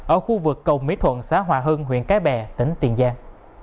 ở khu vực cầu mỹ thuận xã hòa hưng huyện cái bè tỉnh tiền giang